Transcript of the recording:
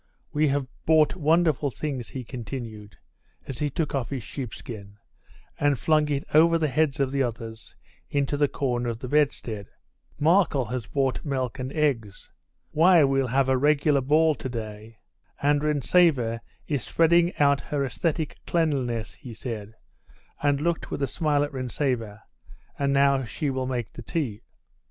"We have bought wonderful things," he continued, as he took off his sheepskin, and flung it over the heads of the others into the corner of the bedstead. "Markel has bought milk and eggs. Why, we'll have a regular ball to day. And Rintzeva is spreading out her aesthetic cleanliness," he said, and looked with a smile at Rintzeva, "and now she will make the tea."